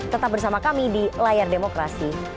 tetap bersama kami di layar demokrasi